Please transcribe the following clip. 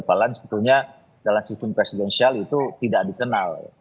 padahal sebetulnya dalam sistem presidensial itu tidak dikenal